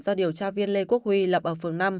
do điều tra viên lê quốc huy lập ở phường năm